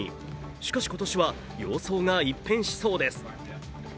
しかし、今年は様相が一変しそうです。